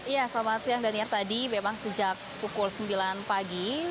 ya selamat siang daniar tadi memang sejak pukul sembilan pagi